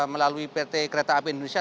melalui pt kereta api indonesia